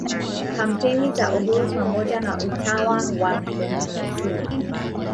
kampeni za uhuru pamoja na utawal wa kidemokrasia